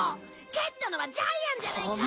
蹴ったのはジャイアンじゃないか！